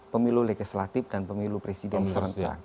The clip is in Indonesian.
pemilu legislatif dan pemilu presiden serentak